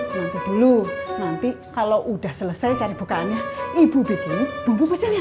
nanti dulu nanti kalau udah selesai cari bukaannya ibu bikin bumbu pastinya